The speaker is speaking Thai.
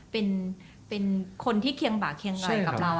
เป็นคนที่เคียงบากเคียงอะไรกับเรา